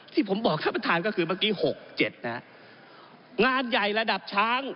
ที่ผมบอกท่านประธานก็คือเมื่อกี้หกเจ็ดนะฮะงานใหญ่ระดับช้าง